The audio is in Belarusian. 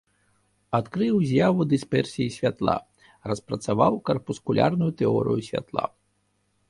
Адкрыў з'яву дысперсіі святла, распрацаваў карпускулярную тэорыю святла.